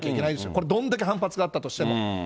これどんだけ反発があったとしても。